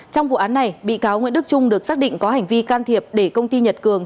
trong vụ án này bị cáo nguyễn đức trung được xác định có hành vi can thiệp để công ty nhật cường